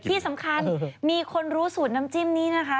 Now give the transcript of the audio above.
ที่สำคัญมีคนรู้สูตรน้ำจิ้มนี้นะคะ